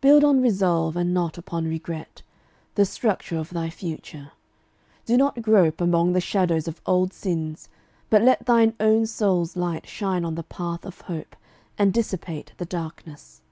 Build on resolve, and not upon regret, The structure of thy future. Do not grope Among the shadows of old sins, but let Thine own soul's light shine on the path of hope And dissipate the darkness.